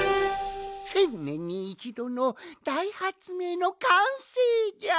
１，０００ねんにいちどのだいはつめいのかんせいじゃ！